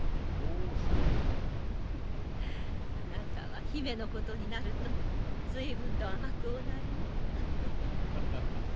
あなたは姫のことになると随分と甘くおなりにフフフフ。